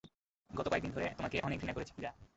গত কয়েকদিন ধরে, তোমাকে অনেক ঘৃণা করেছি, পূজা।